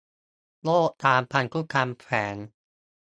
โรคทางพันธุกรรมแฝง